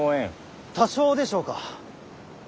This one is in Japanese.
多少でしょうか。